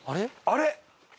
あれ！？